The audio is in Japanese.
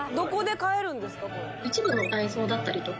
一部のダイソーだったりとか